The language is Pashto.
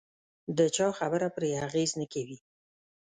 د چا خبره پرې اغېز نه کوي.